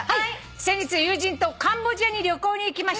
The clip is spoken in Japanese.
「先日友人とカンボジアに旅行に行きました」